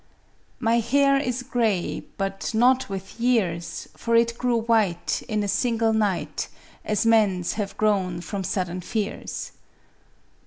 My hair u gray, but nut with years. For it grew white In a single night, As men's have grown from sudden fears."